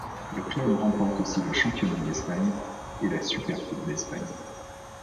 Le club remporte aussi le championnat d'Espagne et la Supercoupe d'Espagne.